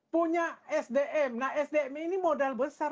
punya sdm nah sdm ini modal besar